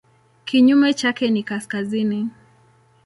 Kinyume chake ni kaskazini.